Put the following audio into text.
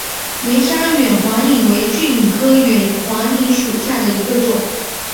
梅山远环蚓为巨蚓科远环蚓属下的一个种。